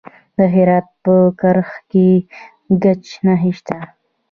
د هرات په کرخ کې د ګچ نښې شته.